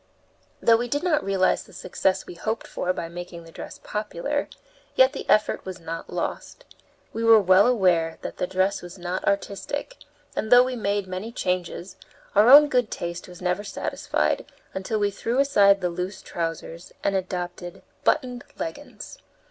Though we did not realize the success we hoped for by making the dress popular, yet the effort was not lost. We were well aware that the dress was not artistic, and though we made many changes, our own good taste was never satisfied until we threw aside the loose trousers and adopted buttoned leggins.